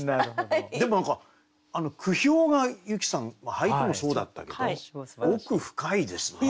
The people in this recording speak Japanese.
でも何か句評が由紀さん俳句もそうだったけど奥深いですね。